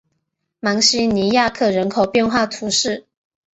芒西尼亚克人口变化图示